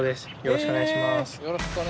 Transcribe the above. よろしくお願いします。